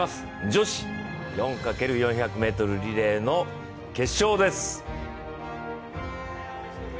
女子４×４００ｍリレーの決勝です。